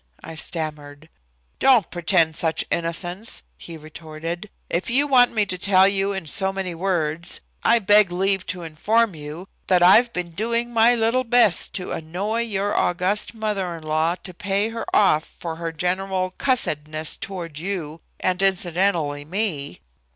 I stammered. "Don't pretend such innocence," he retorted. "If you want me to tell you in so many words, I beg leave to inform you that I've been doing my little best to annoy your august mother in law to pay her off for her general cussedness toward you, and, incidentally, me."